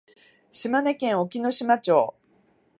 島根県隠岐の島町